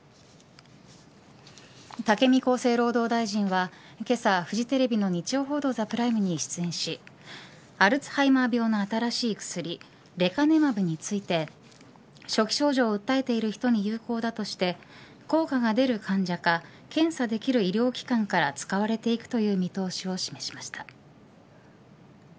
武見厚生労働大臣はけさ、フジテレビの日曜報道ＴＨＥＰＲＩＭＥに出演しアルツハイマー病の新しい薬レカネマブについて初期症状を訴えている人に有効だとして効果が出る患者か検査できる医療機関から使われていくとの見通しを示しました。